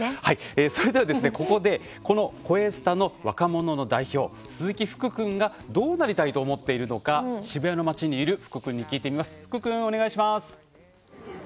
それではここでこの「こえスタ」の若者の代表鈴木福君がどうなりたいと思ってるのか渋谷の街にいる福君に聞いてみます。